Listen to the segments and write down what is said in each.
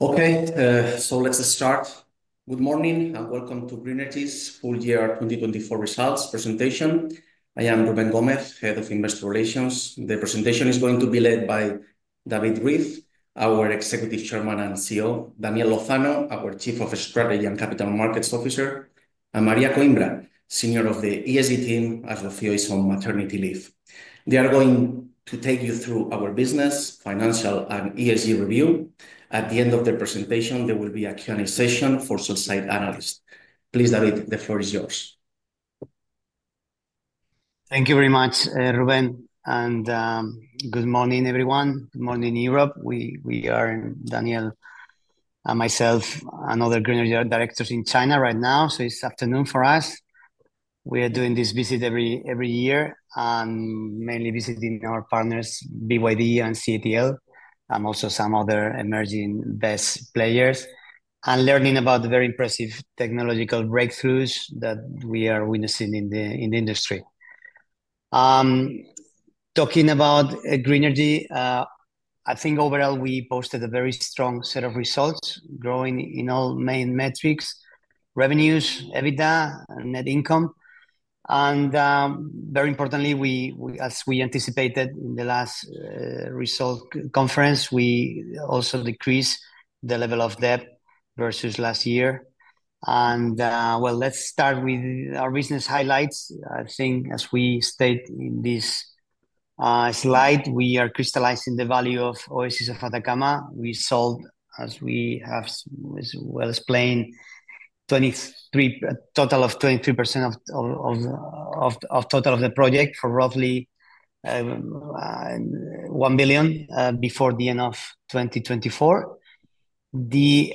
Okay, so let's start. Good morning and welcome to Grenergy's full year 2024 results presentation. I am Rubén Gómez, Head of Investor Relations. The presentation is going to be led by David Ruiz de Andrés, our Executive Chairman and CEO, Daniel Lozano, our Chief of Strategy and Capital Markets Officer, and Maria Coimbra, Senior member of the ESG Team, as Rocío is on maternity leave. They are going to take you through our business, financial, and ESG review. At the end of the presentation, there will be a Q&A session for sell-side analysts. Please, David, the floor is yours. Thank you very much, Rubén, and Good morning, everyone. Good morning, Europe. We are Daniel and myself and other Grenergy directors in China right now, so it's afternoon for us. We are doing this visit every year and mainly visiting our partners, BYD and CATL, and also some other emerging best players, and learning about the very impressive technological breakthroughs that we are witnessing in the industry. Talking about Grenergy, I think overall we posted a very strong set of results, growing in all main metrics: Revenues, EBITDA, and net income, and very importantly, as we anticipated in the last result conference, we also decreased the level of debt versus last year, and, well, let's start with our business highlights. I think as we state in this slide, we are crystallizing the value of Oasis de Atacama. We sold, as we have well explained, a total of 23% of the project for roughly 1 billion before the end of 2024. The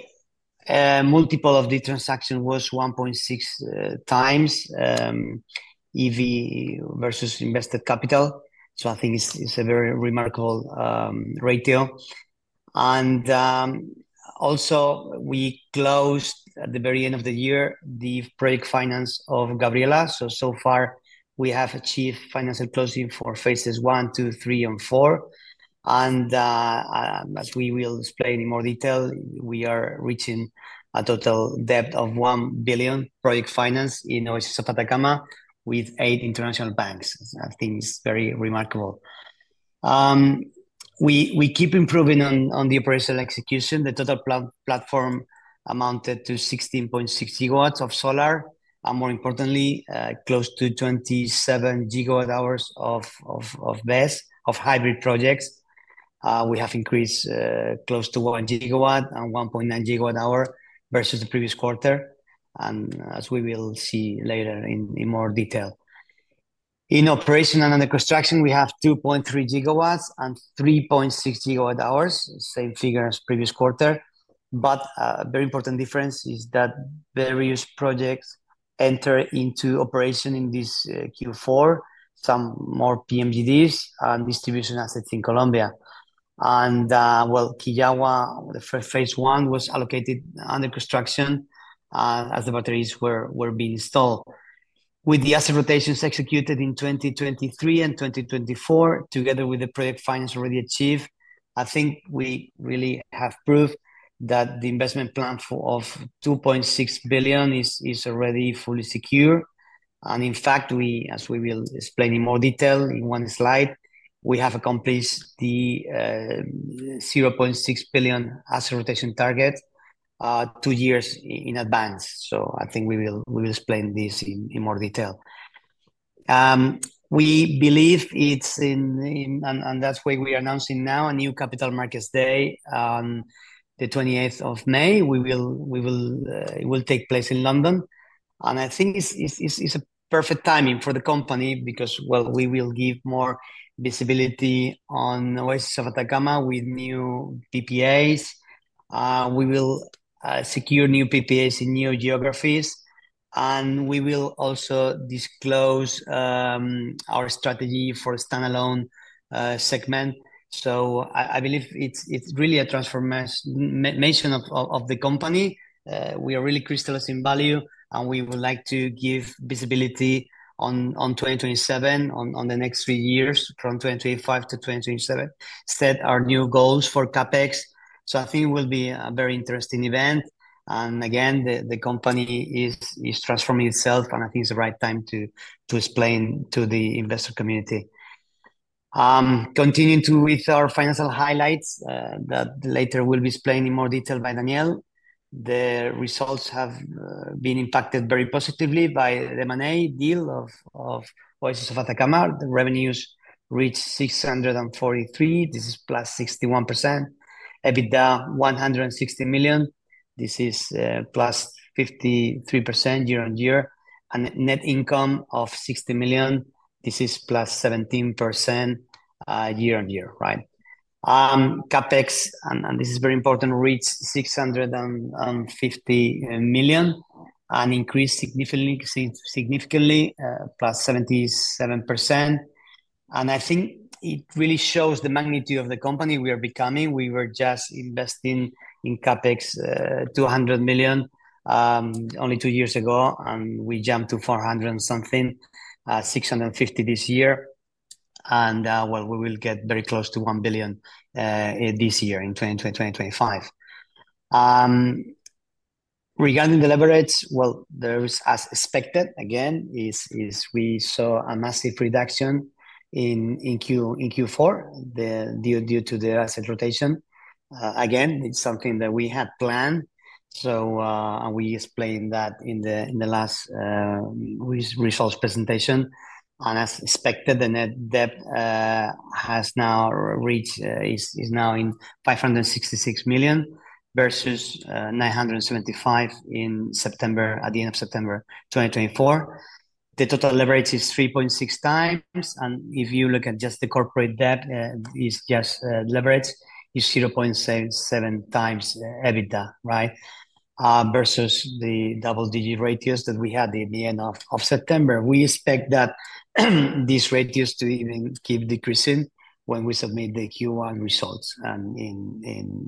multiple of the transaction was 1.6 times EV versus invested capital, so I think it's a very remarkable ratio. Also, we closed at the very end of the year the project finance of Gabriela. So far, we have achieved financial closing for phases one, two, three, and four. As we will explain in more detail, we are reaching a total debt of 1 billion project finance in Oasis de Atacama with eight international banks. I think it's very remarkable. We keep improving on the operational execution. The total platform amounted to 16.6 GW of solar and, more importantly, close to 27 GW hours of hybrid projects. We have increased close to one GW and 1.9 GW hour versus the previous quarter, and as we will see later in more detail. In operation and under construction, we have 2.3 GW and 3.6 GW hours, same figure as previous quarter, but a very important difference is that various projects enter into operation in this Q4, some more PMGDs and distribution assets in Colombia, and well, Quillagua, the first phase one was allocated under construction as the batteries were being installed. With the asset rotations executed in 2023 and 2024, together with the project finance already achieved, I think we really have proved that the investment plan of 2.6 billion is already fully secure, and in fact, as we will explain in more detail in one slide, we have accomplished the 0.6 billion asset rotation target two years in advance. So I think we will explain this in more detail. We believe it's in, and that's why we are announcing now a new Capital Markets Day on the 28th of May. It will take place in London. And I think it's a perfect timing for the company because, well, we will give more visibility on Oasis de Atacama with new PPAs. We will secure new PPAs in new geographies, and we will also disclose our strategy for a standalone segment. So I believe it's really a transformation of the company. We are really crystallizing value, and we would like to give visibility on 2027, on the next three years from 2025 to 2027, set our new goals for CapEx. So I think it will be a very interesting event. And again, the company is transforming itself, and I think it's the right time to explain to the investor community. Continuing with our financial highlights that later will be explained in more detail by Daniel, the results have been impacted very positively by the M&A deal of Oasis de Atacama. The revenues reached 643. This is plus 61%. EBITDA 160 million. This is plus 53% year-over-year. And net income of 60 million. This is plus 17% year-over-year. Right? CapEx, and this is very important, reached 650 million and increased significantly, plus 77%. And I think it really shows the magnitude of the company we are becoming. We were just investing in CapEx 200 million only two years ago, and we jumped to 400 and something, 650 this year. And, well, we will get very close to 1 billion this year in 2025. Regarding the leverage, well, there is, as expected, again, we saw a massive reduction in Q4 due to the asset rotation. Again, it's something that we had planned, so we explained that in the last results presentation, and as expected, the net debt has now reached, is now in 566 million versus 975 million in September, at the end of September 2024. The total leverage is 3.6 times, and if you look at just the corporate debt, it's just leverage, it's 0.7 times EBITDA, right, versus the double-digit ratios that we had at the end of September. We expect that these ratios to even keep decreasing when we submit the Q1 results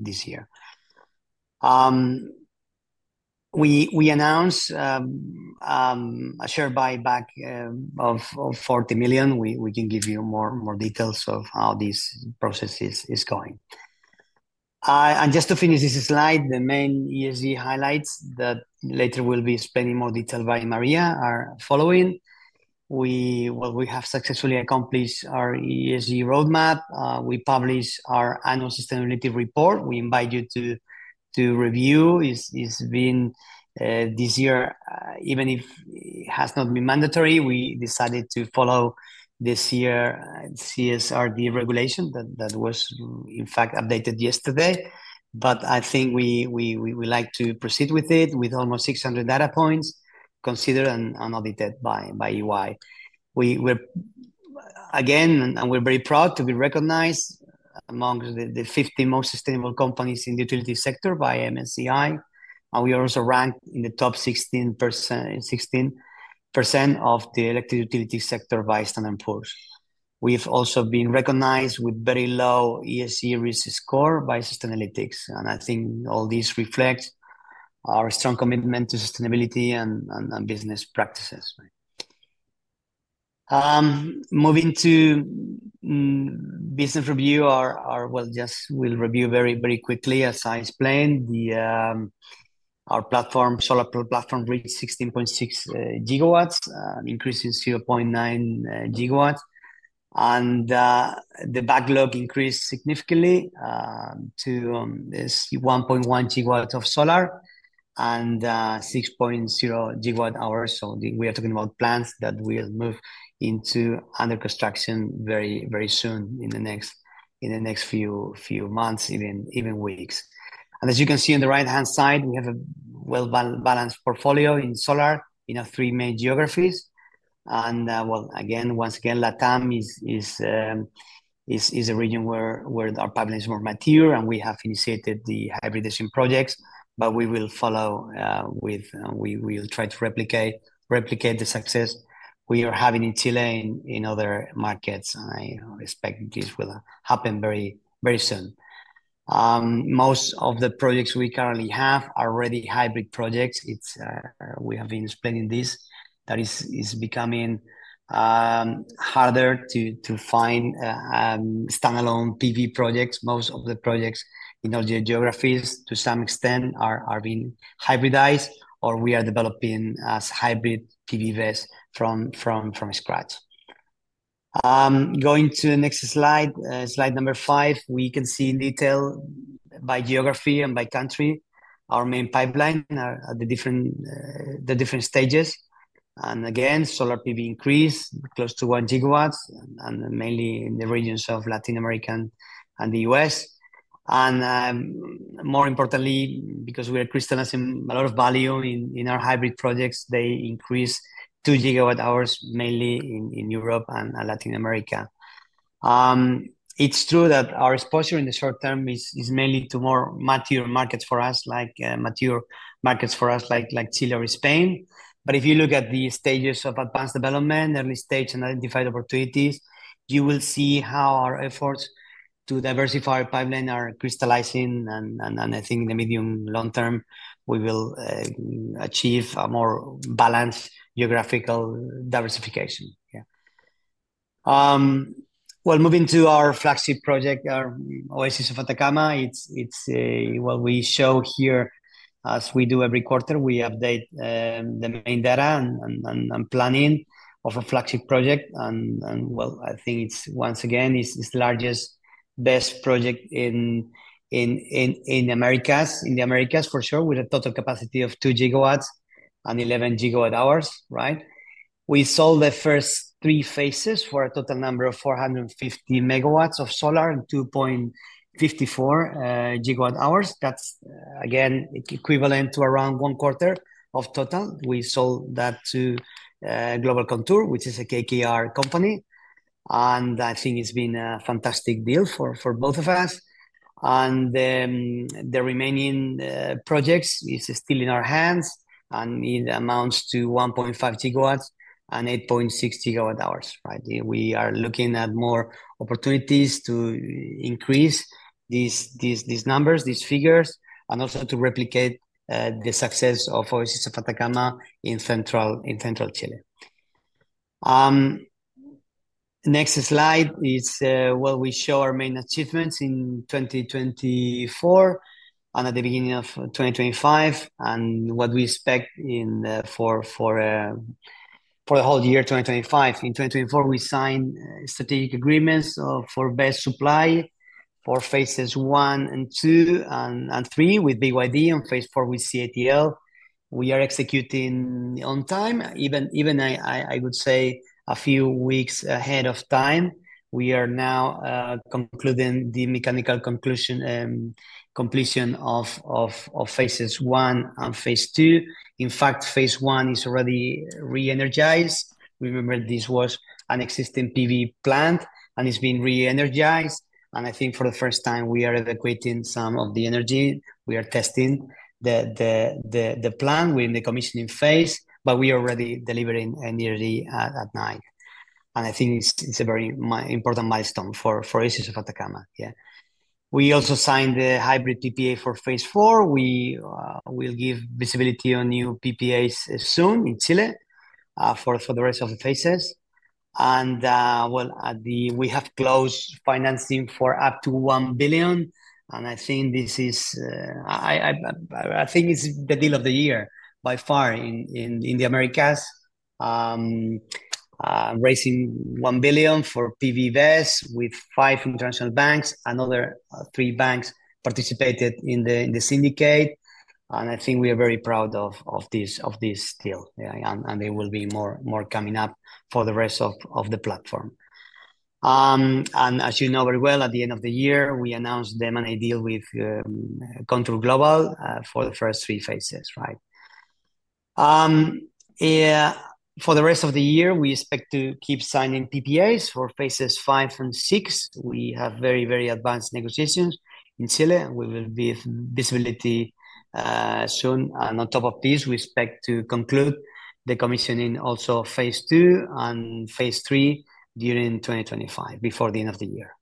this year. We announced a share buyback of 40 million. We can give you more details of how this process is going, and just to finish this slide, the main ESG highlights that later will be explained in more detail by Maria are following. We have successfully accomplished our ESG roadmap. We published our annual sustainability report. We invite you to review. It's been this year, even if it has not been mandatory, we decided to follow this year's CSRD regulation that was, in fact, updated yesterday, but I think we like to proceed with it with almost 600 data points considered and audited by EY. Again, we're very proud to be recognized amongst the 50 most sustainable companies in the utility sector by MSCI, and we are also ranked in the top 16% of the electric utility sector by Standard & Poor's. We've also been recognized with a very low ESG risk score by Sustainalytics, and I think all this reflects our strong commitment to sustainability and business practices. Moving to business review, well, just we'll review very, very quickly, as I explained. Our platform, solar platform, reached 16.6 GW, increasing 0.9 GW. And the backlog increased significantly to 1.1 GW of solar and 6.0 GW hours. So we are talking about plans that will move into under construction very soon in the next few months, even weeks. And as you can see on the right-hand side, we have a well-balanced portfolio in solar in three main geographies. And, well, again, once again, LATAM is a region where our partners are more mature, and we have initiated the hybridization projects. But we will follow with, we will try to replicate the success we are having in Chile and in other markets. And I expect this will happen very soon. Most of the projects we currently have are already hybrid projects. We have been explaining this. That is becoming harder to find standalone PV projects. Most of the projects in all geographies, to some extent, are being hybridized, or we are developing as hybrid PV assets from scratch. Going to the next slide, slide number five, we can see in detail by geography and by country our main pipeline at the different stages, and again, solar PV increased close to one GW and mainly in the regions of Latin America and the U.S. And more importantly, because we are crystallizing a lot of value in our hybrid projects, they increased two GW hours mainly in Europe and Latin America. It's true that our exposure in the short term is mainly to more mature markets for us, like Chile or Spain, but if you look at the stages of advanced development, early stage and identified opportunities, you will see how our efforts to diversify our pipeline are crystallizing. I think in the medium and long term, we will achieve a more balanced geographical diversification. Yeah. Moving to our flagship project, our Oasis de Atacama, it's what we show here as we do every quarter. We update the main data and planning of a flagship project. I think it's once again, it's the largest best project in the Americas for sure, with a total capacity of 2 GW and 11 GW hours. Right? We sold the first three phases for a total number of 450 MW of solar and 2.54 GW hours. That's, again, equivalent to around one quarter of total. We sold that to ContourGlobal, which is a KKR company. And I think it's been a fantastic deal for both of us. The remaining projects are still in our hands and amount to 1.5 GW and 8.6 GW hours. Right? We are looking at more opportunities to increase these numbers, these figures, and also to replicate the success of Oasis de Atacama in central Chile. Next slide is where we show our main achievements in 2024 and at the beginning of 2025 and what we expect for the whole year 2025. In 2024, we signed strategic agreements for BESS supply for phases one and two and three with BYD, and phase four with CATL. We are executing on time, even I would say a few weeks ahead of time. We are now concluding the mechanical completion of phases one and phase two. In fact, phase one is already re-energized. Remember, this was an existing PV plant, and it's been re-energized, and I think for the first time, we are evacuating some of the energy. We are testing the plant. We're in the commissioning phase, but we are already delivering energy at night. And I think it's a very important milestone for Oasis de Atacama. Yeah. We also signed the hybrid PPA for phase four. We will give visibility on new PPAs soon in Chile for the rest of the phases. And, well, we have closed financing for up to 1 billion. And I think this is, I think it's the deal of the year by far in the Americas, raising 1 billion for PV assets with five international banks. Another three banks participated in the syndicate. And I think we are very proud of this deal. And there will be more coming up for the rest of the platform. And as you know very well, at the end of the year, we announced the M&A deal with ContourGlobal for the first three phases. Right? For the rest of the year, we expect to keep signing PPAs for phases five and six. We have very, very advanced negotiations in Chile. We will be visible soon, and on top of this, we expect to conclude the commissioning also of phase two and phase three during 2025, before the end of the year.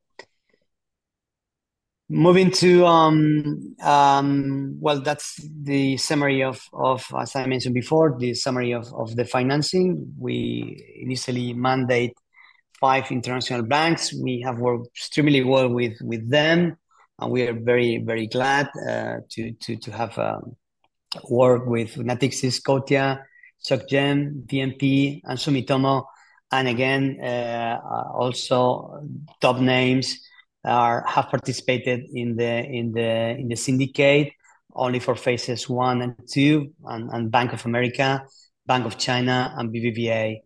Moving to, well, that's the summary of, as I mentioned before, the summary of the financing. We initially mandate five international banks. We have worked extremely well with them, and we are very, very glad to have worked with Natixis, Scotiabank, Société Générale, BNP Paribas, and Sumitomo. And again, also top names have participated in the syndicate only for phases one and two, and Bank of America, Bank of China, and BBVA.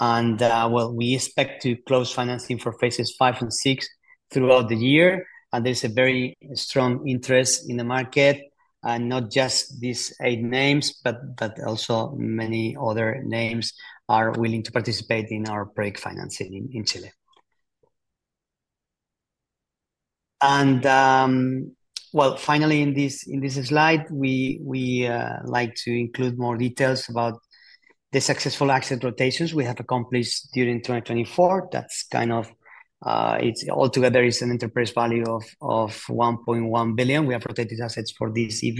And, well, we expect to close financing for phases five and six throughout the year. There's a very strong interest in the market, and not just these eight names, but also many other names are willing to participate in our break financing in Chile. Finally, in this slide, we like to include more details about the successful asset rotations we have accomplished during 2024. That's kind of, altogether, it's an enterprise value of 1.1 billion. We have rotated assets for this EV.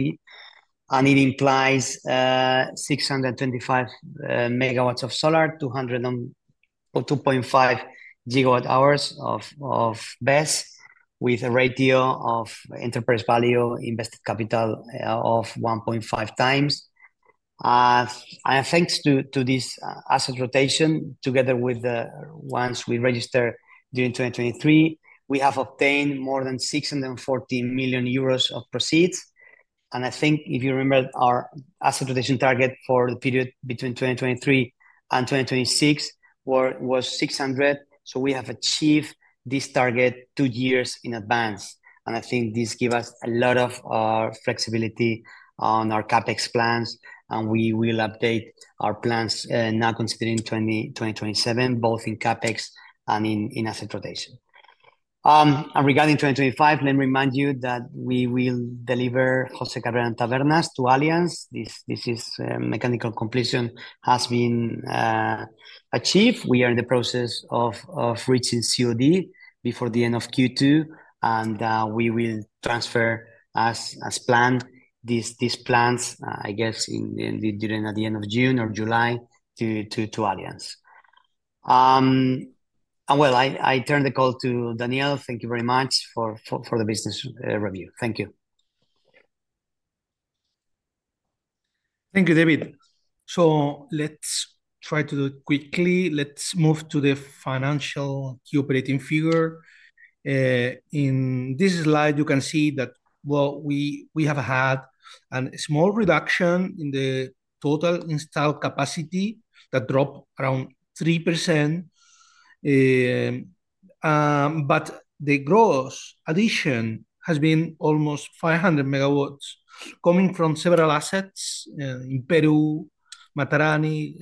It implies 625 MW of solar, 2.5 GW hours of BESS, with a ratio of enterprise value to invested capital of 1.5 times. Thanks to this asset rotation, together with the ones we registered during 2023, we have obtained more than 640 million euros of proceeds. I think, if you remember, our asset rotation target for the period between 2023 and 2026 was 600. We have achieved this target two years in advance. I think this gives us a lot of flexibility on our CapEx plans. We will update our plans now considering 2027, both in CapEx and in asset rotation. Regarding 2025, let me remind you that we will deliver José Cabrera and Tabernas to Allianz. This mechanical completion has been achieved. We are in the process of reaching COD before the end of Q2. We will transfer, as planned, these plants, I guess, at the end of June or July to Allianz. Well, I turn the call to Daniel. Thank you very much for the business review. Thank you. Thank you, David. Let's try to do it quickly. Let's move to the financial operating figure. In this slide, you can see that we have had a small reduction in the total installed capacity that dropped around 3%. The gross addition has been almost 500 MW coming from several assets in Peru, Matarani,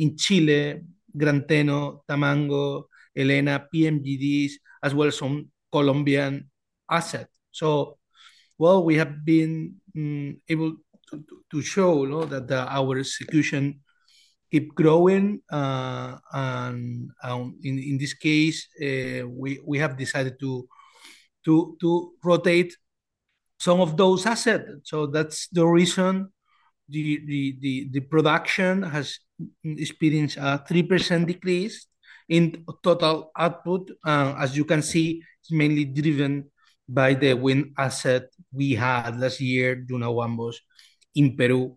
in Chile, Gran Teno, Tamango, Elena, PMGDs, as well as some Colombian assets. So, well, we have been able to show that our execution keeps growing. And in this case, we have decided to rotate some of those assets. So that's the reason the production has experienced a 3% decrease in total output. As you can see, it's mainly driven by the wind asset we had last year, Duna Huambos, in Peru,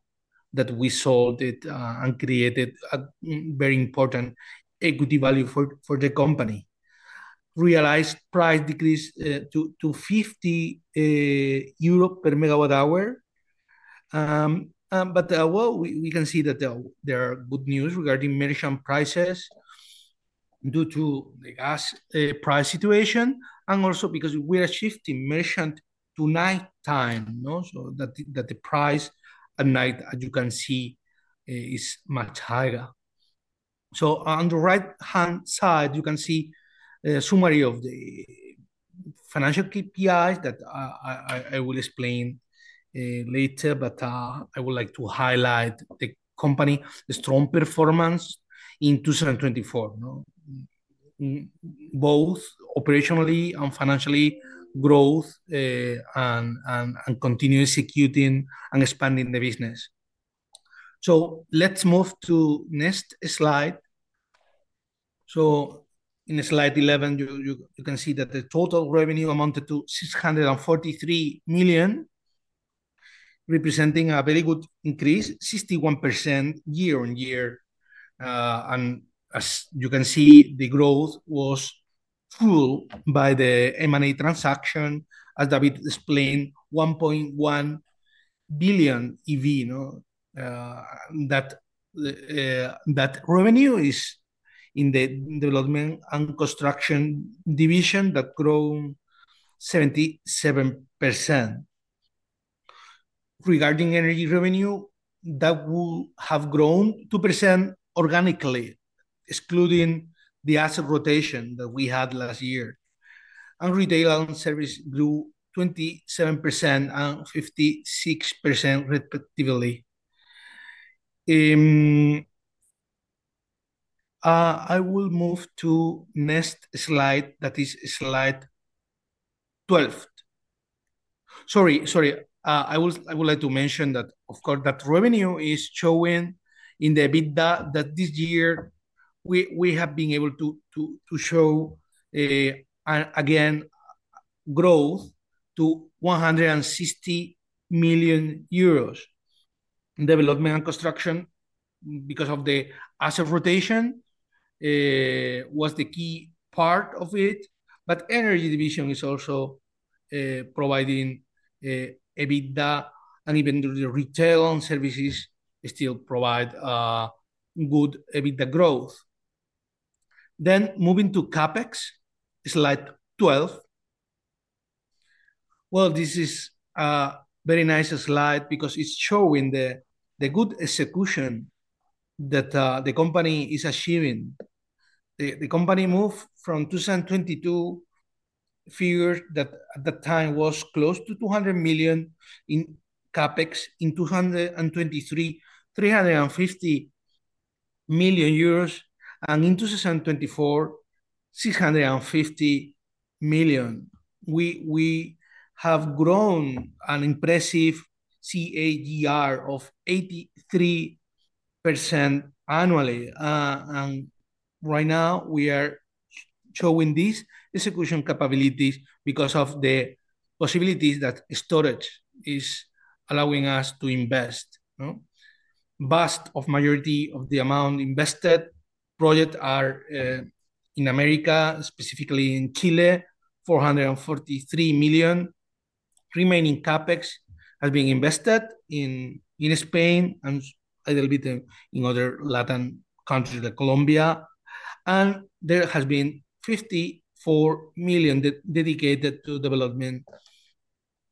that we sold and created a very important equity value for the company. Realized price decreased to 50 euros per MW hour. But, well, we can see that there are good news regarding merchant prices due to the gas price situation, and also because we are shifting merchant to nighttime, so that the price at night, as you can see, is much higher. On the right-hand side, you can see a summary of the financial KPIs that I will explain later, but I would like to highlight the company's strong performance in 2024, both operationally and financially growth and continuing execution and expanding the business. Let's move to the next slide. In slide 11, you can see that the total revenue amounted to 643 million, representing a very good increase, 61% year-over-year. As you can see, the growth was fueled by the M&A transaction, as David explained, 1.1 billion EV. That revenue is in the development and construction division that grew 77%. Regarding energy revenue, that will have grown 2% organically, excluding the asset rotation that we had last year. Retail and service grew 27% and 56%, respectively. I will move to the next slide. That is slide 12. Sorry, sorry. I would like to mention that, of course, that revenue is showing in the EBITDA that this year we have been able to show, again, growth to 160 million euros in development and construction because of the asset rotation was the key part of it. But the energy division is also providing EBITDA, and even the retail and services still provide good EBITDA growth. Then moving to CapEx, slide 12. This is a very nice slide because it's showing the good execution that the company is achieving. The company moved from 2022 figures that at that time was close to 200 million in CapEx in 2023, 350 million euros, and in 2024, 650 million. We have grown an impressive CAGR of 83% annually. And right now, we are showing these execution capabilities because of the possibilities that storage is allowing us to invest. Vast majority of the amount invested in projects are in Americas, specifically in Chile, 443 million. Remaining CapEx has been invested in Spain and a little bit in other Latin countries, like Colombia. There has been 54 million dedicated to development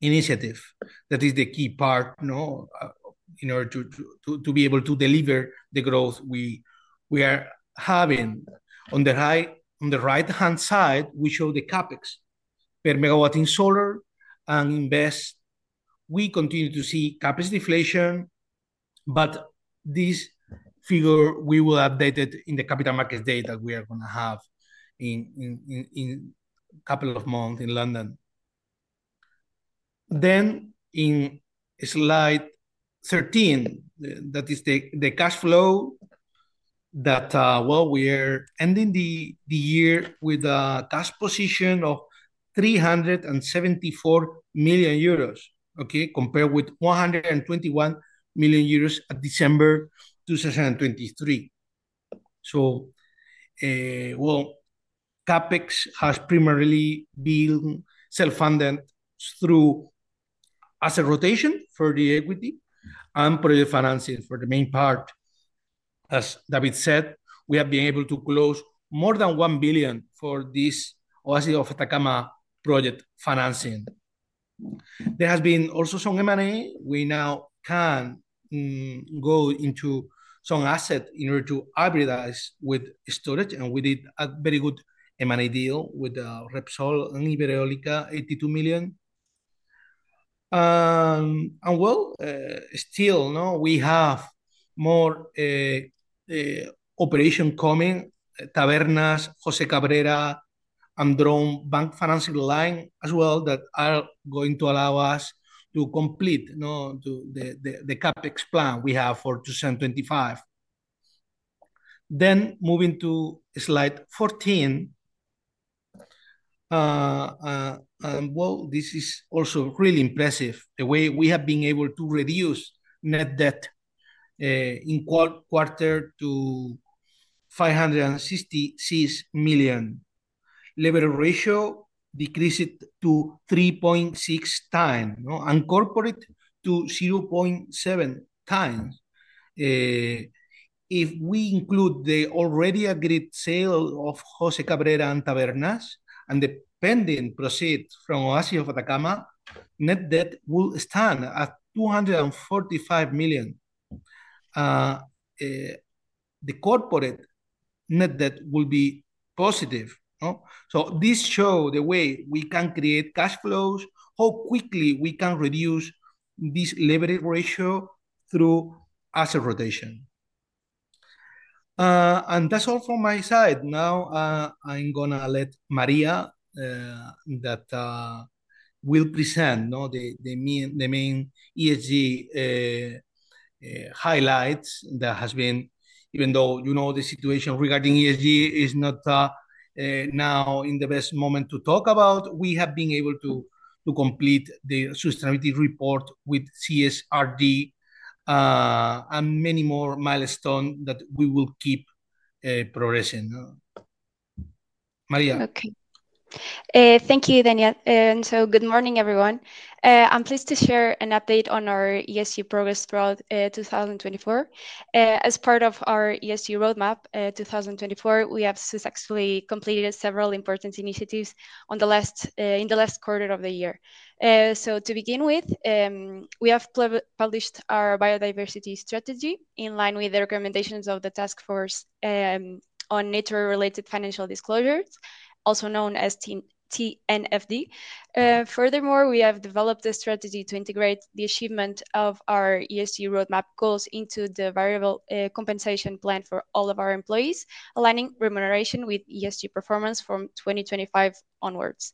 initiatives. That is the key part in order to be able to deliver the growth we are having. On the right-hand side, we show the CapEx per MW in solar and wind. We continue to see CapEx deflation, but this figure we will update it in the Capital Markets Day we are going to have in a couple of months in London. In slide 13, that is the cash flow that, well, we are ending the year with a cash position of 374 million euros, okay, compared with 121 million euros at December 2023. Well, CapEx has primarily been self-funded through asset rotation for the equity and project financing for the main part. As David said, we have been able to close more than 1 billion for this Oasis de Atacama project financing. There has been also some M&A. We now can go into some assets in order to hybridize with storage. And we did a very good M&A deal with Repsol and Ibereólica, 82 million. And, well, still, we have more operations coming, Tabernas, José Cabrera, and drawdown bank financing line as well that are going to allow us to complete the CapEx plan we have for 2025. Then moving to slide 14. And, well, this is also really impressive, the way we have been able to reduce net debt in quarter to 566 million. Leverage ratio decreased to 3.6 times and corporate to 0.7 times. If we include the already agreed sale of José Cabrera and Tabernas and the pending proceeds from Oasis de Atacama, net debt will stand at 245 million. The corporate net debt will be positive. So this shows the way we can create cash flows, how quickly we can reduce this leverage ratio through asset rotation. And that's all from my side. Now, I'm going to let Maria that will present the main ESG highlights that have been, even though the situation regarding ESG is not now in the best moment to talk about, we have been able to complete the sustainability report with CSRD and many more milestones that we will keep progressing. Maria. Okay. Thank you, Daniel. And so Good morning, everyone. I'm pleased to share an update on our ESG progress throughout 2024. As part of our ESG roadmap 2024, we have successfully completed several important initiatives in the last quarter of the year. So to begin with, we have published our biodiversity strategy in line with the recommendations of the Taskforce on Nature-related Financial Disclosures, also known as TNFD. Furthermore, we have developed a strategy to integrate the achievement of our ESG roadmap goals into the variable compensation plan for all of our employees, aligning remuneration with ESG performance from 2025 onwards.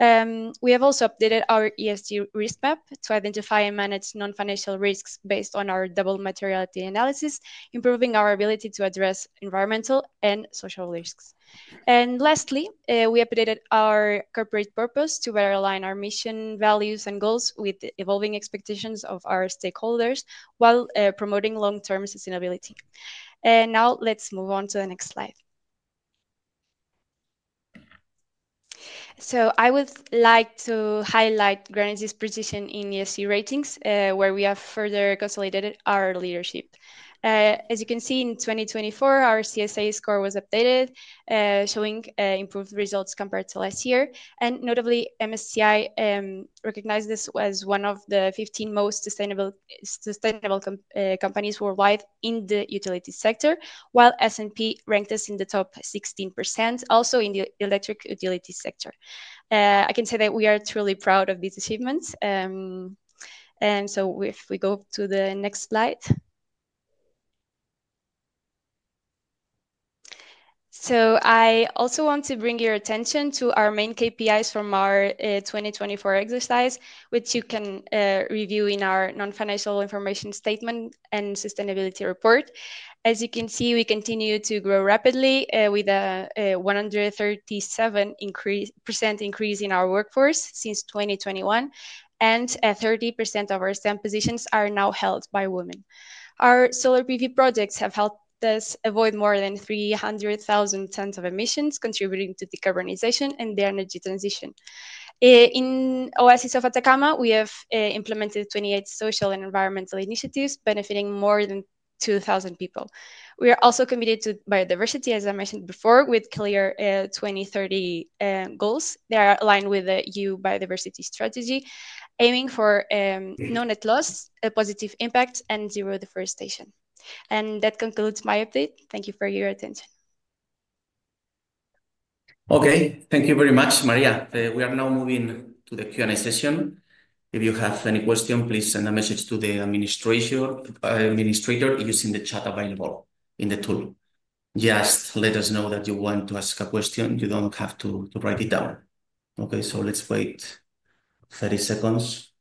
We have also updated our ESG risk map to identify and manage non-financial risks based on our double materiality analysis, improving our ability to address environmental and social risks. And lastly, we updated our corporate purpose to better align our mission, values, and goals with evolving expectations of our stakeholders while promoting long-term sustainability. And now, let's move on to the next slide. So I would like to highlight Grenergy's position in ESG ratings, where we have further consolidated our leadership. As you can see, in 2024, our CSA score was updated, showing improved results compared to last year. And notably, MSCI recognized this as one of the 15 most sustainable companies worldwide in the utility sector, while S&P ranked us in the top 16%, also in the electric utility sector. I can say that we are truly proud of these achievements. And so if we go to the next slide. So I also want to bring your attention to our main KPIs from our 2024 exercise, which you can review in our non-financial information statement and sustainability report. As you can see, we continue to grow rapidly with a 137% increase in our workforce since 2021, and 30% of our STEM positions are now held by women. Our solar PV projects have helped us avoid more than 300,000 tons of emissions, contributing to decarbonization and the energy transition. In Oasis de Atacama, we have implemented 28 social and environmental initiatives benefiting more than 2,000 people. We are also committed to biodiversity, as I mentioned before, with clear 2030 goals. They are aligned with the EU Biodiversity Strategy, aiming for no net loss, a positive impact, and zero deforestation. That concludes my update. Thank you for your attention. Okay. Thank you very much, Maria. We are now moving to the Q&A session. If you have any question, please send a message to the administrator using the chat available in the tool. Just let us know that you want to ask a question. You don't have to write it down. Okay, so let's wait 30 seconds.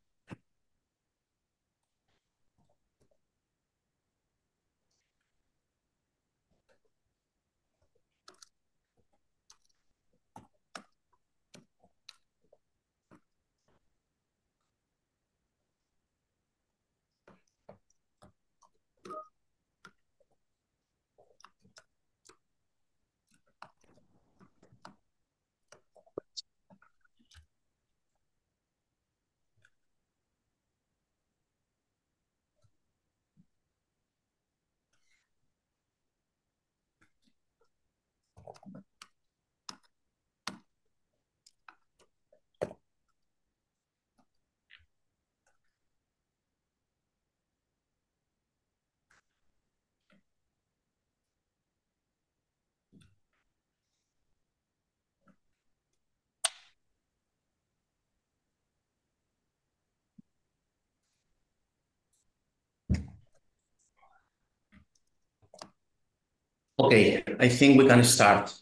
Okay, I think we can start.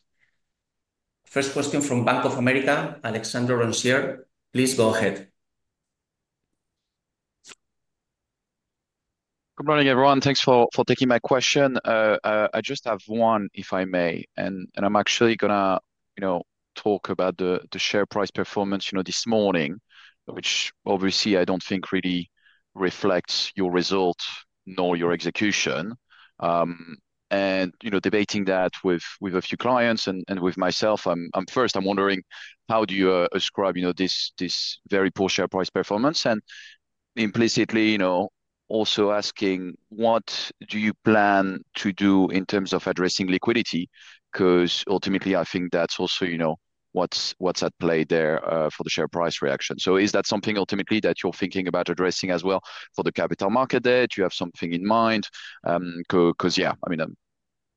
First question from Bank of America, Alexandre Roncier. Please go ahead. Good morning, everyone. Thanks for taking my question. I just have one, if I may. And I'm actually going to talk about the share price performance this morning, which obviously I don't think really reflects your result nor your execution. And debating that with a few clients and with myself, first, I'm wondering, how do you ascribe this very poor share price performance? And implicitly, also asking, what do you plan to do in terms of addressing liquidity? Because ultimately, I think that's also what's at play there for the share price reaction. So is that something ultimately that you're thinking about addressing as well for the Capital Markets Day? Do you have something in mind? Because, yeah, I mean,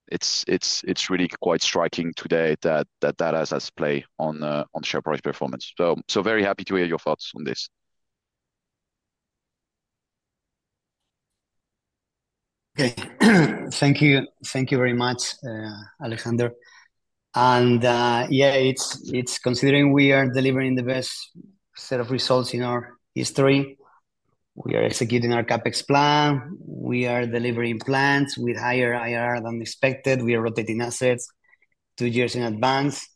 it's really quite striking today that that has a play on the share price performance. So very happy to hear your thoughts on this. Okay. Thank you. Thank you very much, Alejandro. And yeah, considering we are delivering the best set of results in our history, we are executing our CapEx plan, we are delivering plans with higher IRR than expected, we are rotating assets two years in advance.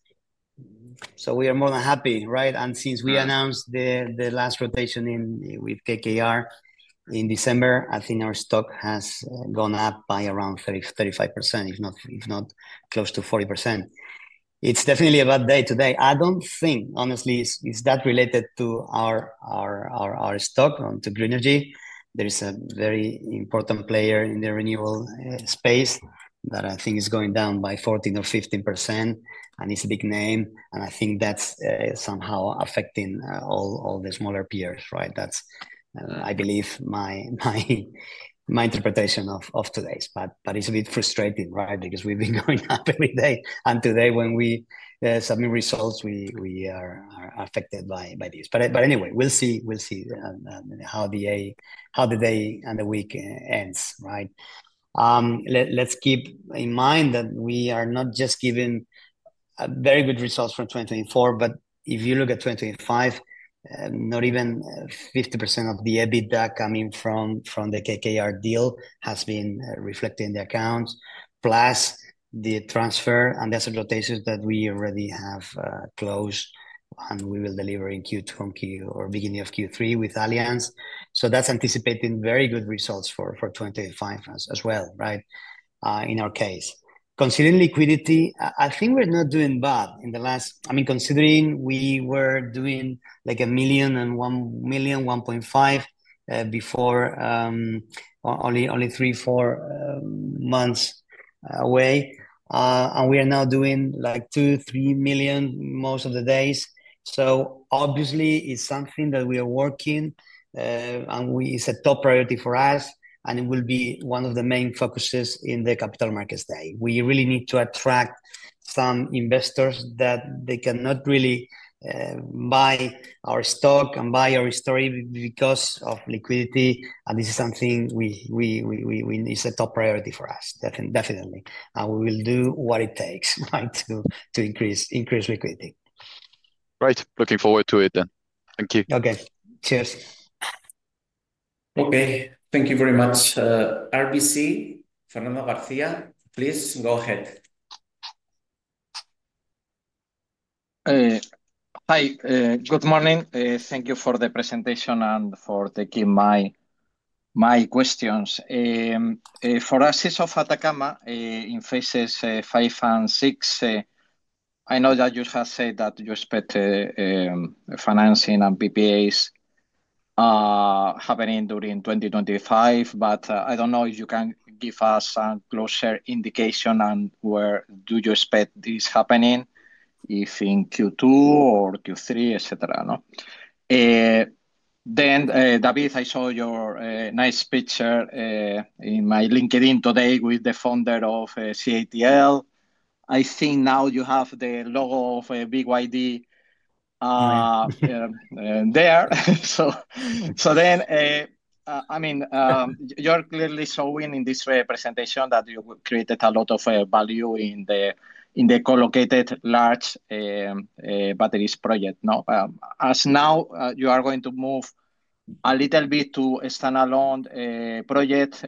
So we are more than happy, right? And since we announced the last rotation with KKR in December, I think our stock has gone up by around 35%, if not close to 40%. It's definitely a bad day today. I don't think, honestly, it's that related to our stock, to Grenergy. There is a very important player in the renewables space that I think is going down by 14 to 15%, and it's a big name. And I think that's somehow affecting all the smaller peers, right? That's, I believe, my interpretation of today's. But it's a bit frustrating, right? Because we've been going up every day and today, when we submit results, we are affected by this. But anyway, we'll see how the day and the week ends, right? Let's keep in mind that we are not just giving very good results from 2024, but if you look at 2025, not even 50% of the EBITDA coming from the KKR deal has been reflected in the accounts, plus the transfer and asset rotations that we already have closed, and we will deliver in Q2 or beginning of Q3 with Allianz. So that's anticipating very good results for 2025 as well, right, in our case. Considering liquidity, I think we're not doing bad in the last, I mean, considering we were doing like a million and one million, 1.5 before only three, four months away and we are now doing like two, three million most of the days. So obviously, it's something that we are working, and it's a top priority for us, and it will be one of the main focuses in the Capital Markets Day. We really need to attract some investors that they cannot really buy our stock and buy our story because of liquidity. And this is something we need. It's a top priority for us, definitely. And we will do what it takes to increase liquidity. Right. Looking forward to it then. Thank you. Okay. Cheers. Okay. Thank you very much. RBC, Fernando García, please go ahead. Hi. Good morning. Thank you for the presentation and for taking my questions. For Oasis de Atacama in phases five and six, I know that you have said that you expect financing and PPAs happening during 2025, but I don't know if you can give us a closer indication on where do you expect this happening, if in Q2 or Q3, etc. Then, David, I saw your nice picture in my LinkedIn today with the founder of CATL. I think now you have the logo of BYD there. So then, I mean, you're clearly showing in this presentation that you created a lot of value in the co-located large batteries project. And now, you are going to move a little bit to a standalone project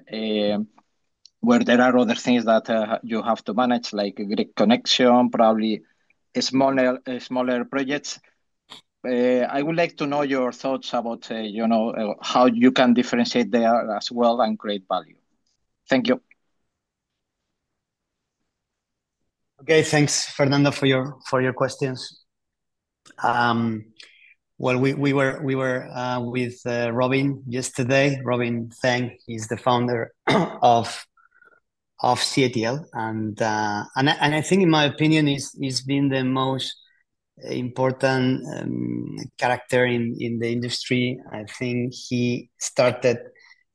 where there are other things that you have to manage, like grid connection, probably smaller projects. I would like to know your thoughts about how you can differentiate there as well and create value. Thank you. Okay. Thanks, Fernando, for your questions. Well, we were with Robin yesterday. Robin Zeng is the founder of CATL. And I think, in my opinion, he's been the most important character in the industry. I think he started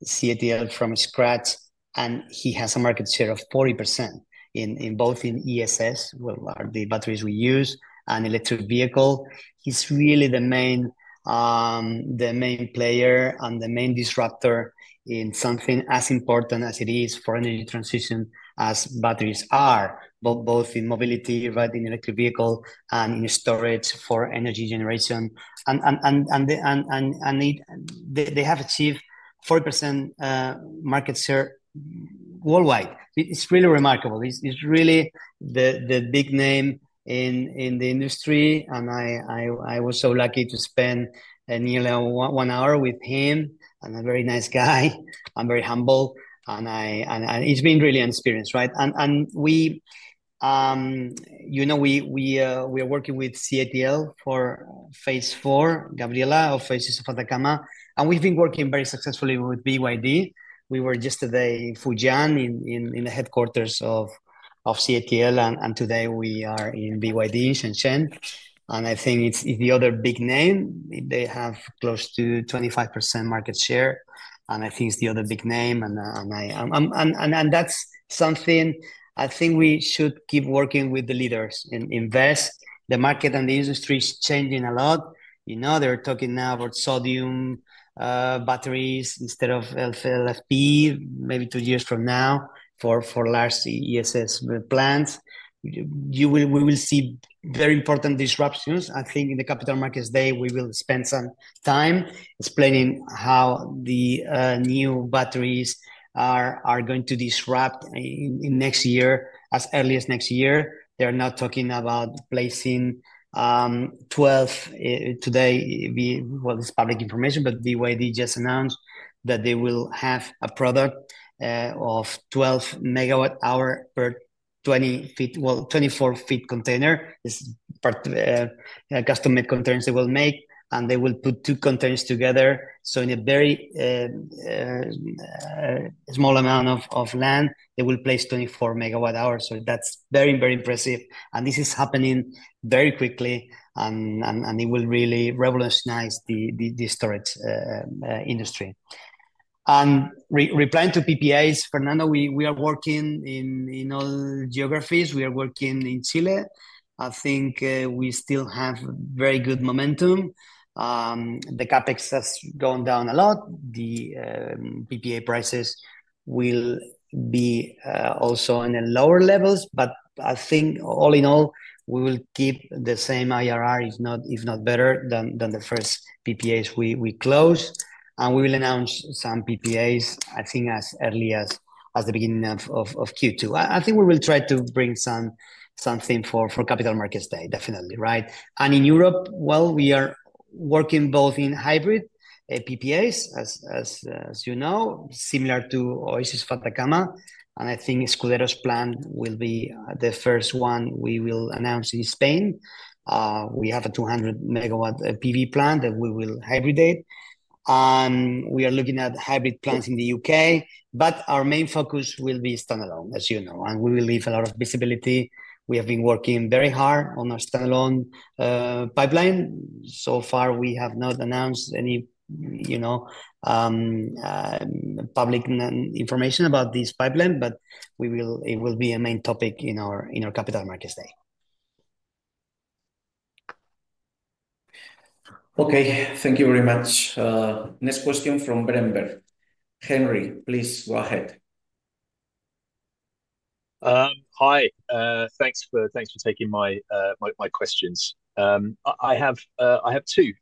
CATL from scratch, and he has a market share of 40% in both ESS, well, the batteries we use, and electric vehicles. He's really the main player and the main disruptor in something as important as it is for energy transition as batteries are, both in mobility, right, in electric vehicles, and in storage for energy generation. And they have achieved 40% market share worldwide. It's really remarkable. He's really the big name in the industry. And I was so lucky to spend nearly one hour with him. And a very nice guy. He's very humble. And he's been really an experience, right? We are working with CATL for phase four, Gabriela, or phases of Atacama. We've been working very successfully with BYD. We were just today in Fujian, in the headquarters of CATL. Today, we are in BYD, Shenzhen. I think it's the other big name. They have close to 25% market share. I think it's the other big name. That's something I think we should keep working with the leaders and invest. The market and the industry is changing a lot. They're talking now about sodium batteries instead of LFP, maybe two years from now for large ESS plants. We will see very important disruptions. I think in the Capital Markets Day, we will spend some time explaining how the new batteries are going to disrupt in next year, as early as next year. They are not talking about placing 12 today. It's public information, but BYD just announced that they will have a product of 12 MWh per 24-foot container. It's custom-made containers they will make. They will put two containers together. In a very small amount of land, they will place 24 MWhs. That's very, very impressive. This is happening very quickly. It will really revolutionize the storage industry. Replying to PPAs, Fernando, we are working in all geographies. We are working in Chile. I think we still have very good momentum. The CapEx has gone down a lot. The PPA prices will be also in lower levels. I think all in all, we will keep the same IRR, if not better, than the first PPAs we closed. We will announce some PPAs, I think, as early as the beginning of Q2. I think we will try to bring something for capital markets day, definitely, right? And in Europe, well, we are working both in hybrid PPAs, as you know, similar to Oasis de Atacama. And I think Escuderos plant will be the first one we will announce in Spain. We have a 200 MW PV plant that we will hybridize. And we are looking at hybrid plants in the U.K. But our main focus will be standalone, as you know. And we will leave a lot of visibility. We have been working very hard on our standalone pipeline. So far, we have not announced any public information about this pipeline, but it will be a main topic in our capital markets day. Okay. Thank you very much. Next question from Berenberg. Henry, please go ahead. Hi. Thanks for taking my questions. I have two.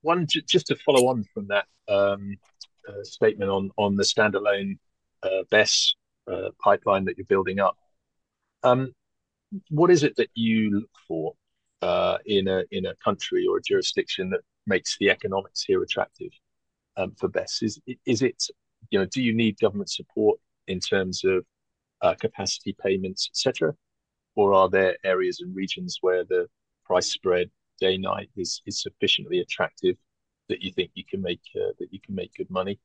One, just to follow on from that statement on the standalone BESS pipeline that you're building up. What is it that you look for in a country or a jurisdiction that makes the economics here attractive for BESS? Do you need government support in terms of capacity payments, etc.? Or are there areas and regions where the price spread day-night is sufficiently attractive that you think you can make good money?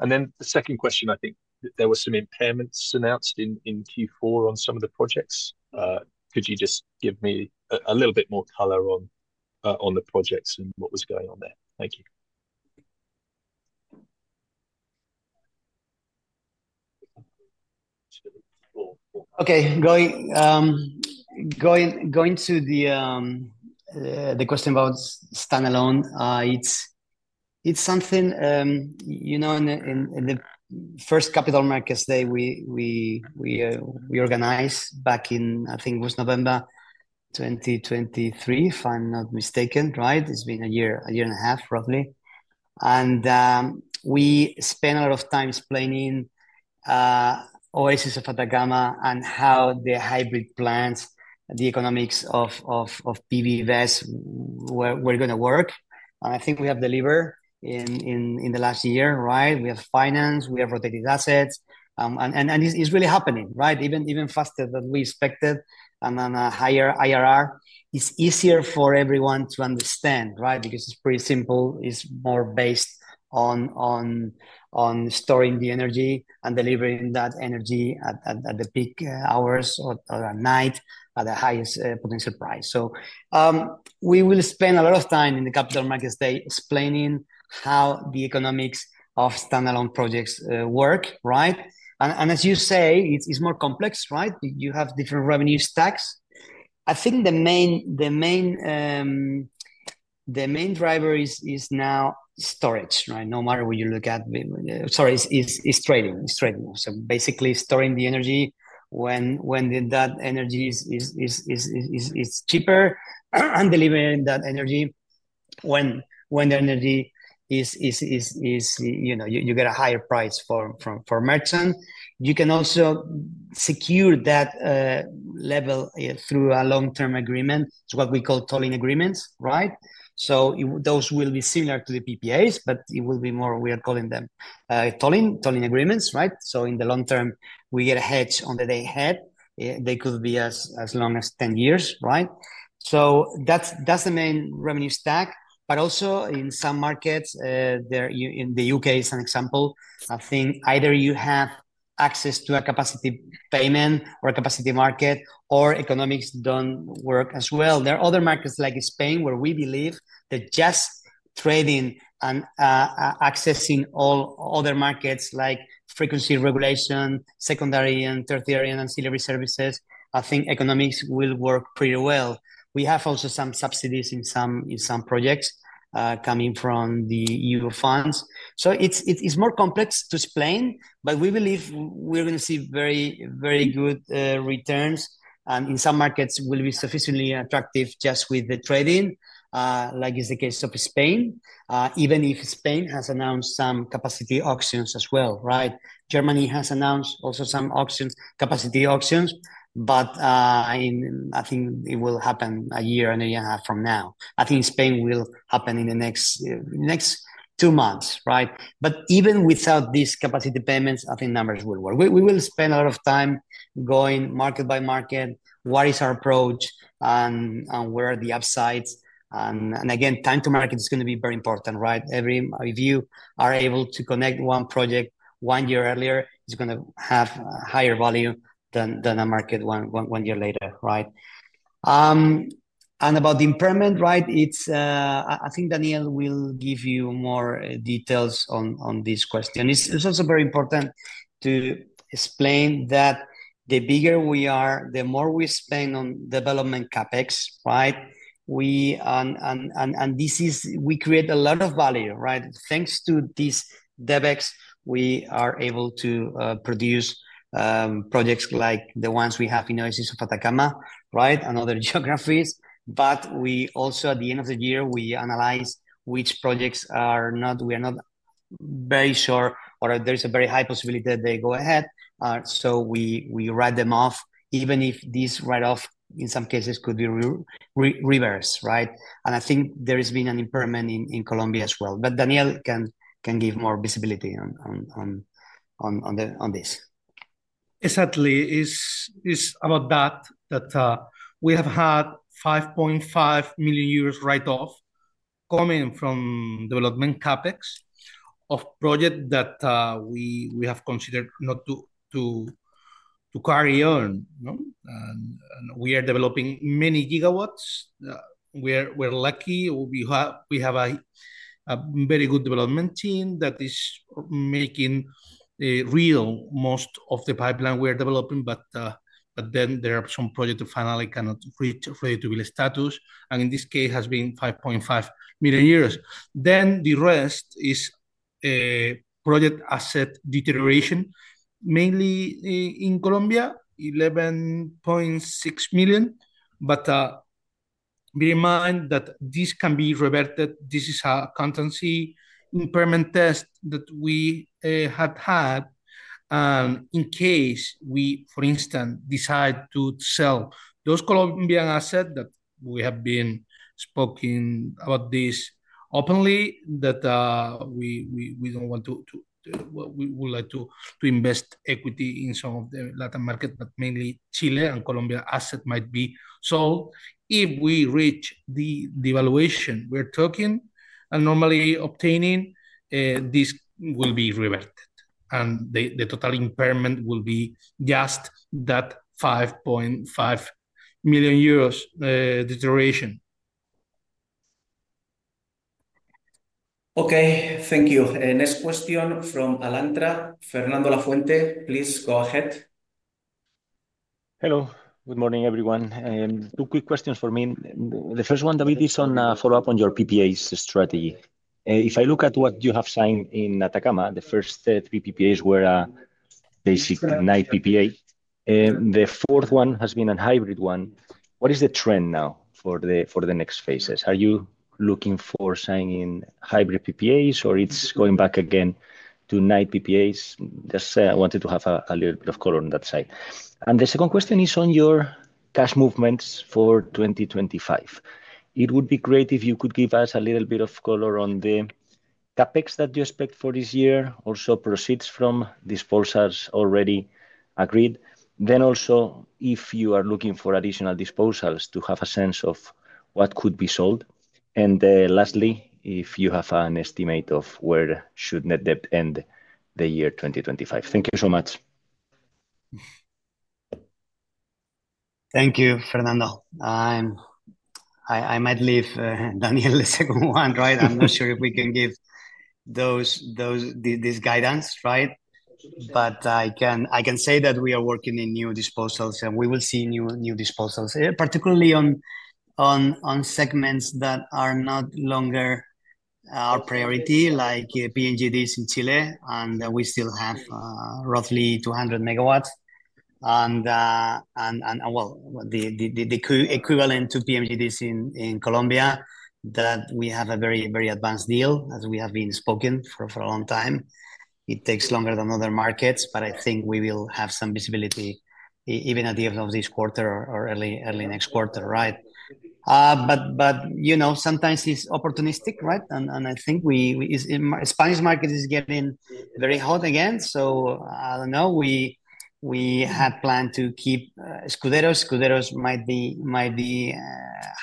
And then the second question, I think there were some impairments announced in Q4 on some of the projects. Could you just give me a little bit more color on the projects and what was going on there? Thank you. Okay. Going to the question about standalone, it's something in the first Capital Markets Day we organized back in, I think it was November 2023, if I'm not mistaken, right? It's been a year and a half, roughly, and we spent a lot of time explaining Oasis de Atacama and how the hybrid plants, the economics of PV-BESS were going to work, and I think we have delivered in the last year, right? We have financed, we have rotated assets, and it's really happening, right? Even faster than we expected and on a higher IRR. It's easier for everyone to understand, right? Because it's pretty simple. It's more based on storing the energy and delivering that energy at the peak hours or at night at the highest potential price. So we will spend a lot of time in the Capital Markets Day explaining how the economics of standalone projects work, right? And as you say, it's more complex, right? You have different revenue stacks. I think the main driver is now storage, right? No matter what you look at. Sorry, it's trading. It's trading. So basically, storing the energy when that energy is cheaper and delivering that energy when the energy is you get a higher price for merchant. You can also secure that level through a long-term agreement. It's what we call tolling agreements, right? So those will be similar to the PPAs, but it will be more we are calling them tolling agreements, right? So in the long term, we get a hedge on the day ahead. They could be as long as 10 years, right? So that's the main revenue stack. But also in some markets, the U.K. is an example. I think either you have access to a capacity payment or a capacity market, or economics don't work as well. There are other markets like Spain where we believe that just trading and accessing all other markets like frequency regulation, secondary and tertiary and ancillary services, I think economics will work pretty well. We have also some subsidies in some projects coming from the EU funds. So it's more complex to explain, but we believe we're going to see very, very good returns. And in some markets, it will be sufficiently attractive just with the trading, like it's the case of Spain, even if Spain has announced some capacity auctions as well, right? Germany has announced also some capacity auctions, but I think it will happen a year and a year and a half from now. I think Spain will happen in the next two months, right? But even without these capacity payments, I think numbers will work. We will spend a lot of time going market by market, what is our approach, and where are the upsides? And again, time to market is going to be very important, right? If you are able to connect one project one year earlier, it's going to have higher value than a market one year later, right? And about the impairment, right? I think Daniel will give you more details on this question. It's also very important to explain that the bigger we are, the more we spend on development CapEx, right? And we create a lot of value, right? Thanks to these DevEx, we are able to produce projects like the ones we have in Oasis de Atacama, right, and other geographies. But we also, at the end of the year, we analyze which projects we are not very sure or there is a very high possibility that they go ahead. So we write them off, even if this write-off in some cases could be reversed, right? And I think there has been an impairment in Colombia as well. But Daniel can give more visibility on this. Exactly. It's about that, that we have had 5.5 million write-off coming from development CapEx of projects that we have considered not to carry on, and we are developing many GW. We're lucky. We have a very good development team that is making the most of the pipeline we are developing. But then there are some projects that finally cannot reach ready-to-build status. And in this case, it has been 5.5 million euros. Then the rest is project asset deterioration, mainly in Colombia, 11.6 million. But bear in mind that this can be reverted. This is a contingent impairment test that we had had in case we, for instance, decide to sell those Colombian assets that we have spoken about this openly, that we don't want to. We would like to invest equity in some of the Latin market, but mainly Chile and Colombia assets might be sold. If we reach the valuation we're talking and normally obtaining, this will be reverted, and the total impairment will be just that 5.5 million euros deterioration. Okay. Thank you. Next question from Alantra. Fernando Lafuente, please go ahead. Hello. Good morning, everyone. Two quick questions for me. The first one, David, is on follow-up on your PPA strategy. If I look at what you have signed in Atacama, the first three PPAs were basic night PPA. The fourth one has been a hybrid one. What is the trend now for the next phases? Are you looking for signing hybrid PPAs, or it's going back again to night PPAs? Just wanted to have a little bit of color on that side. And the second question is on your cash movements for 2025. It would be great if you could give us a little bit of color on the CapEx that you expect for this year, also proceeds from disposals already agreed. Then also, if you are looking for additional disposals to have a sense of what could be sold. And lastly, if you have an estimate of where should Net Debt end the year 2025? Thank you so much. Thank you, Fernando. I might leave Daniel the second one, right? I'm not sure if we can give this guidance, right? But I can say that we are working in new disposals, and we will see new disposals, particularly on segments that are no longer our priority, like PMGD in Chile, and we still have roughly 200 MW. And, well, the equivalent to PMGD in Colombia, that we have a very, very advanced deal, as we have spoken for a long time. It takes longer than other markets, but I think we will have some visibility even at the end of this quarter or early next quarter, right? But sometimes it's opportunistic, right? And I think the Spanish market is getting very hot again. So I don't know. We had planned to keep Escuderos. Escuderos might be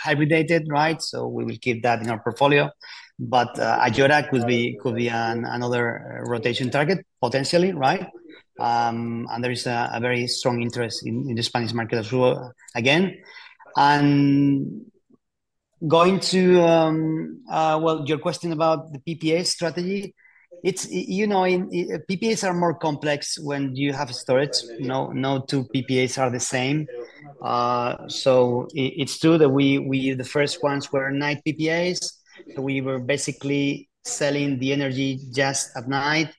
hybridized, right? So we will keep that in our portfolio. Ayora could be another rotation target, potentially, right? There is a very strong interest in the Spanish market as well, again. Going to, well, your question about the PPA strategy, PPAs are more complex when you have storage. No two PPAs are the same. It's true that the first ones were night PPAs. We were basically selling the energy just at night.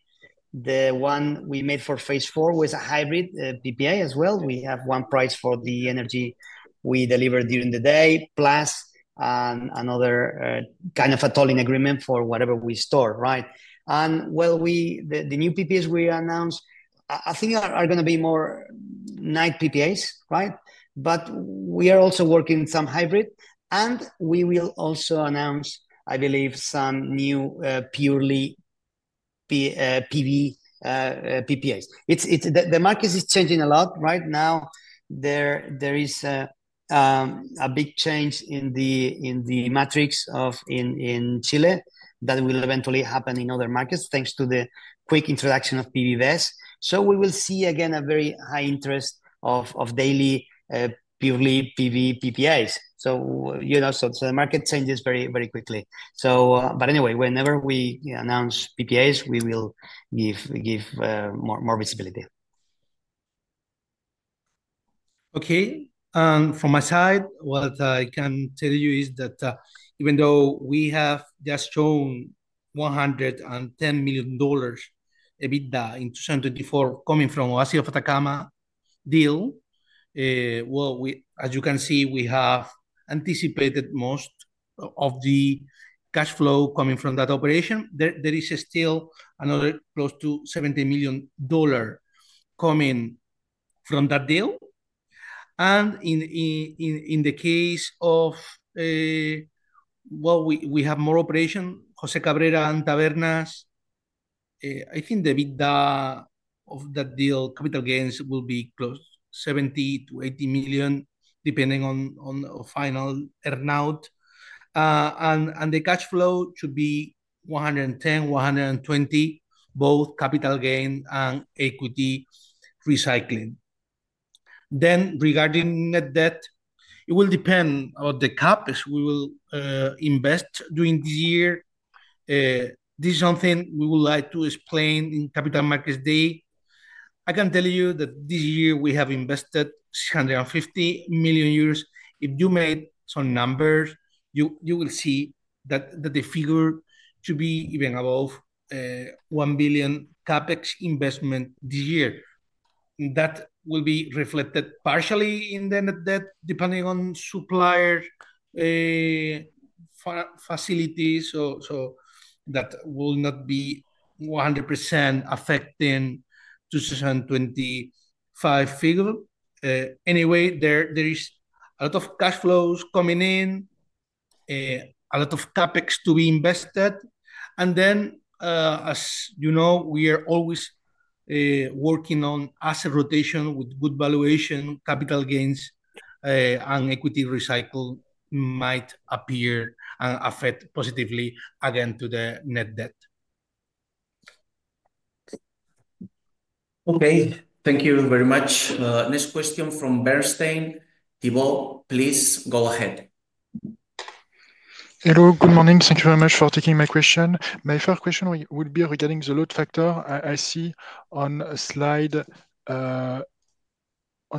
The one we made for phase four was a hybrid PPA as well. We have one price for the energy we deliver during the day, plus another kind of a tolling agreement for whatever we store, right? The new PPAs we announced, I think, are going to be more night PPAs, right? We are also working some hybrid. We will also announce, I believe, some new purely PV PPAs. The market is changing a lot, right? Now, there is a big change in the matrix in Chile that will eventually happen in other markets thanks to the quick introduction of PV-BESS. So we will see, again, a very high interest of daily purely PV PPAs. So the market changes very, very quickly. But anyway, whenever we announce PPAs, we will give more visibility. Okay. From my side, what I can tell you is that even though we have just shown EUR 110 million EBITDA in 2024 coming from Oasis de Atacama deal, well, as you can see, we have anticipated most of the cash flow coming from that operation. There is still another close to EUR 17 million coming from that deal. And in the case of, well, we have more operations, José Cabrera and Tabernas, I think the EBITDA of that deal, capital gains, will be close to 70 to 80 million, depending on final earnout. And the cash flow should be 110-120 million, both capital gain and equity recycling. Then regarding Net Debt, it will depend on the CapEx as we will invest during this year. This is something we would like to explain in Capital Markets Day. I can tell you that this year we have invested 650 million euros. If you made some numbers, you will see that the figure should be even above 1 billion CapEx investment this year. That will be reflected partially in the Net Debt, depending on supplier facilities. So that will not be 100% affecting the 2025 figure. Anyway, there is a lot of cash flows coming in, a lot of CapEx to be invested. And then, as you know, we are always working on asset rotation with good valuation, capital gains, and equity recycle might appear and affect positively again to the Net Debt. Okay. Thank you very much. Next question from Bernstein. Tibo, please go ahead. Hello. Good morning. Thank you very much for taking my question. My first question will be regarding the load factor. I see on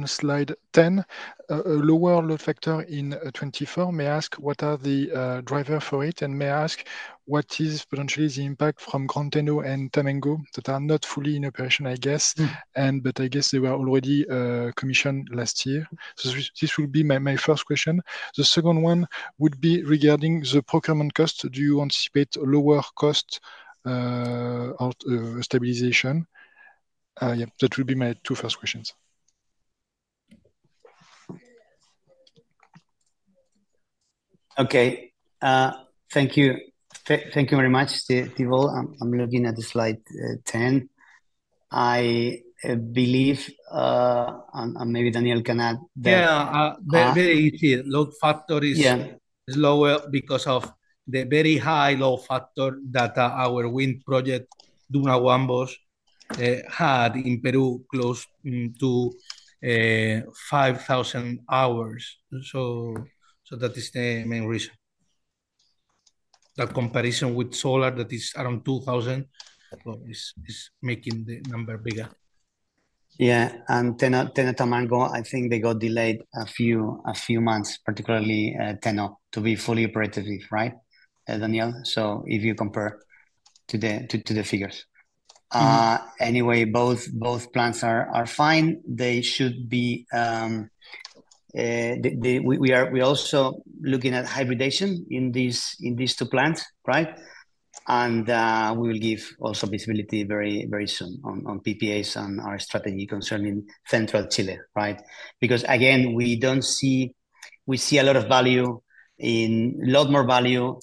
slide 10, a lower load factor in 2024. May I ask what are the drivers for it? And may I ask what is potentially the impact from Gran Teno and Tamango that are not fully in operation, I guess, but I guess they were already commissioned last year. So this will be my first question. The second one would be regarding the procurement cost. Do you anticipate lower cost or stabilization? That will be my two first questions. Okay. Thank you. Thank you very much, Tibo. I'm looking at slide 10. I believe, and maybe Daniel can add that. Yeah. Very easy. Load factor is lower because of the very high load factor that our wind project, Duna Huambos, had in Peru close to 5,000 hours. So that is the main reason. The comparison with solar that is around 2,000 is making the number bigger. Yeah. And Gran Teno, Tamango, I think they got delayed a few months, particularly Gran Teno to be fully operative, right, Daniel? So if you compare to the figures. Anyway, both plants are fine. They should be. We are also looking at Hybridization in these two plants, right? And we will give also visibility very soon on PPAs and our strategy concerning Central Chile, right? Because, again, we see a lot of value in a lot more value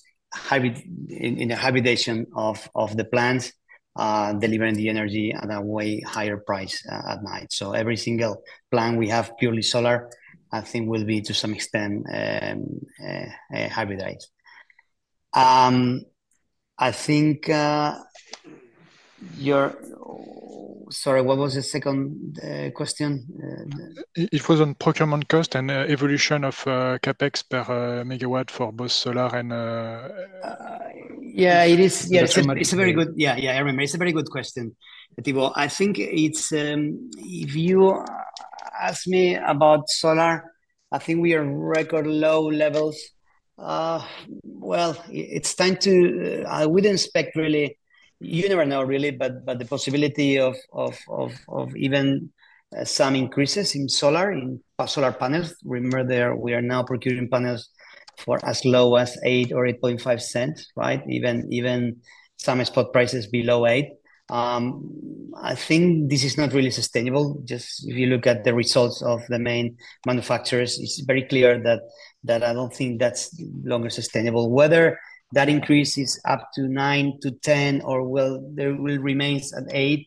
in the Hybridization of the plants delivering the energy at a way higher price at night. So every single plant we have purely solar, I think, will be to some extent hybridized. I think your, sorry, what was the second question? It was on procurement cost and evolution of CapEx per MW for both solar and. Yeah, it is a very good, yeah, yeah, I remember. It's a very good question, Tibo. I think if you ask me about solar, I think we are at record low levels. Well, it's time to. I wouldn't spec really, you never know really, but the possibility of even some increases in solar, in solar panels. Remember, we are now procuring panels for as low as 0.08 or 0.085, right? Even some spot prices below 0.08. I think this is not really sustainable. Just if you look at the results of the main manufacturers, it's very clear that I don't think that's longer sustainable. Whether that increase is up to EUR0.09-$0.10 or, well, there will remain at 0.08,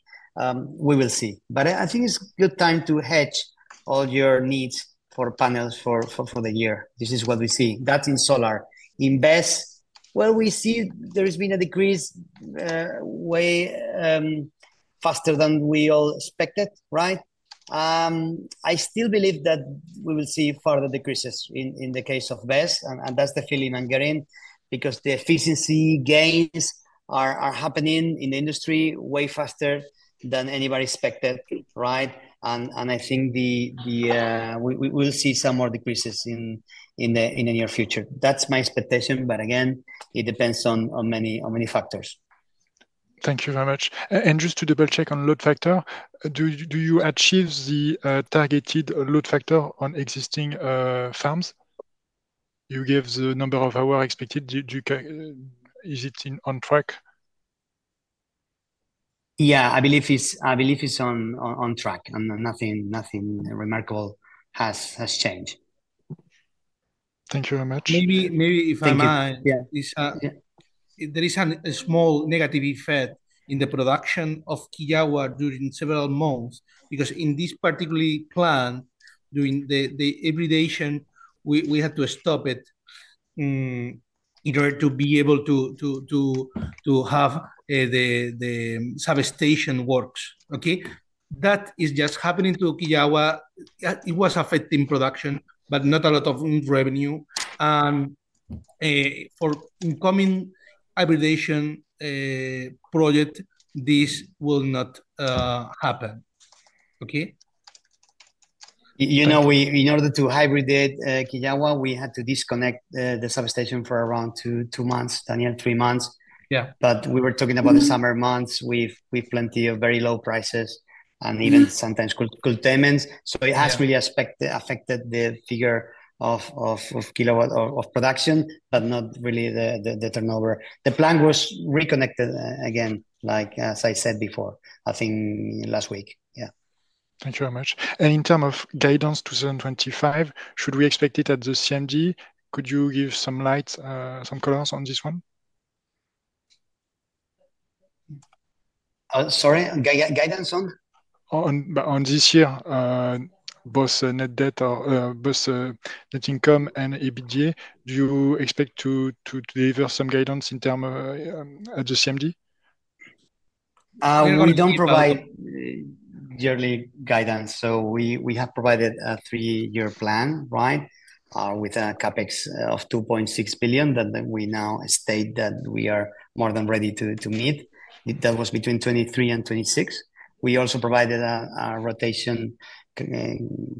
we will see. But I think it's a good time to hedge all your needs for panels for the year. This is what we see. That's in solar. In BESS, well, we see there has been a decrease way faster than we all expected, right? I still believe that we will see further decreases in the case of BESS. And that's the feeling I'm getting because the efficiency gains are happening in the industry way faster than anybody expected, right? And I think we will see some more decreases in the near future. That's my expectation. But again, it depends on many factors. Thank you very much. Just to double-check on load factor, do you achieve the targeted load factor on existing farms? You gave the number of hours expected. Is it on track? Yeah, I believe it's on track. Nothing remarkable has changed. Thank you very much. Maybe if I may. Thank you. There is a small negative effect in the production of Quillagua during several months because in this particular plant, during the Hybridization, we had to stop it in order to be able to have the substation work, okay? That is just happening to Quillagua. It was affecting production, but not a lot of revenue, and for incoming Hybridization project, this will not happen, okay? In order to hybridize Quillagua, we had to disconnect the substation for around two months, Daniel, three months. But we were talking about the summer months with plenty of very low prices and even sometimes curtailment payments. So it has really affected the figure of production, but not really the turnover. The plant was reconnected again, as I said before, I think last week, yeah. Thank you very much. In terms of guidance 2025, should we expect it at the CMG? Could you give some colors on this one? Sorry? Guidance on? On this year, both Net Debt, both Net Income and EBITDA, do you expect to deliver some guidance in terms of the CMD? We don't provide yearly guidance, so we have provided a three-year plan, right, with a CapEx of 2.6 billion that we now state that we are more than ready to meet. That was between 2023 and 2026. We also provided rotation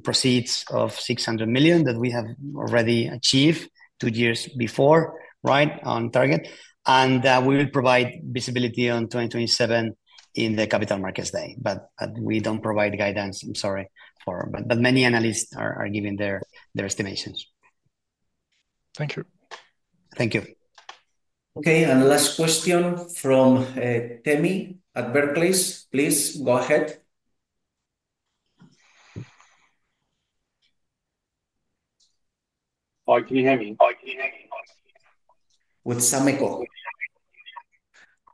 proceeds of 600 million that we have already achieved two years before, right, on target, and we will provide visibility on 2027 in the Capital Markets Day, but we don't provide guidance, I'm sorry, for—but many analysts are giving their estimations. Thank you. Thank you. Okay. And last question from Temi at Barclays. Please go ahead. Hi. Can you hear me? With some echo.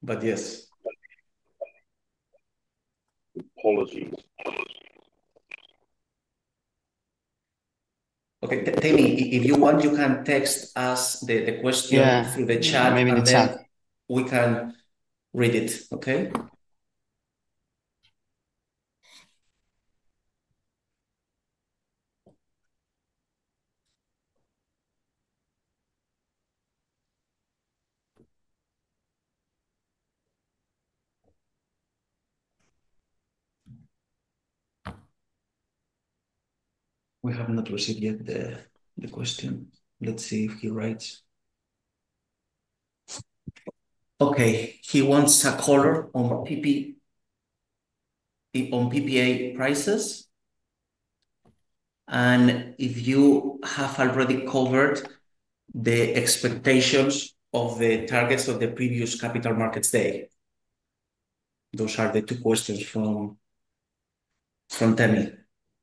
But yes. Apologies. Okay. Temi, if you want, you can text us the question through the chat. Yeah, I'm in the chat. And then we can read it, okay? We have not received yet the question. Let's see if he writes. Okay. He wants a color on PPA prices. And if you have already covered the expectations of the targets of the previous capital markets day, those are the two questions from Temi.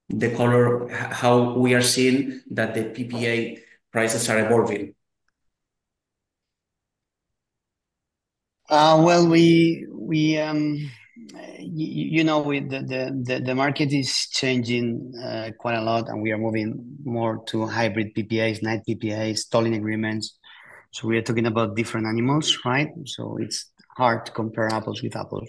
The color, how we are seeing that the PPA prices are evolving. Well, you know the market is changing quite a lot, and we are moving more to hybrid PPAs, night PPAs, tolling agreements. So we are talking about different animals, right? So it's hard to compare apples with apples.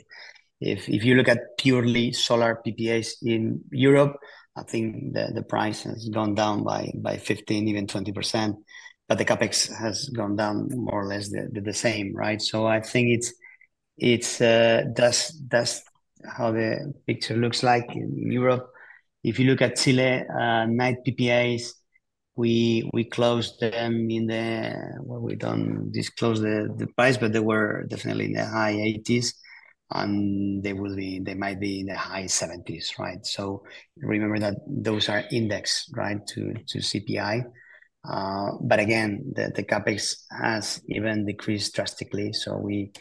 If you look at purely solar PPAs in Europe, I think the price has gone down by 15%-20%. But the CapEx has gone down more or less the same, right? So I think it's just how the picture looks like in Europe. If you look at Chilean PPAs, we closed them in the, well, we don't disclose the price, but they were definitely in the high 80s, and they might be in the high 70s, right? So remember that those are indexed, right, to CPI. But again, the CapEx has even decreased drastically. So we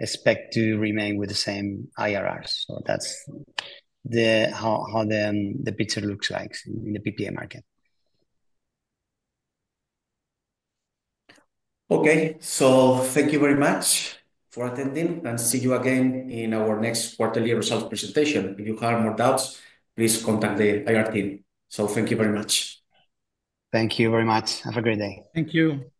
expect to remain with the same IRRs. So that's how the picture looks like in the PPA market. Okay. So thank you very much for attending, and see you again in our next quarterly results presentation. If you have more doubts, please contact the IR team. So thank you very much. Thank you very much. Have a great day. Thank you.